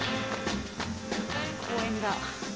公園だ。